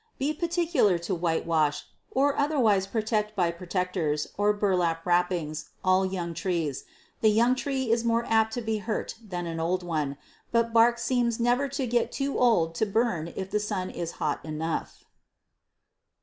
Be particular to whitewash, or otherwise protect by "protectors" or burlap wrappings, all young trees; the young tree is more apt to be hurt than an old one, but bark seems never to get too old to burn if the sun is hot enough.